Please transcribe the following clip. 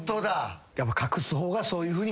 隠す方がそういうふうに見たく。